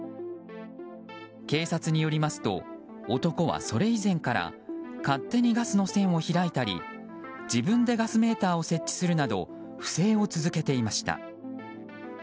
警察によりますと男は、それ以前から勝手にガスの栓を開いたり自分でガスメーターを設置するなど不正を続けていました。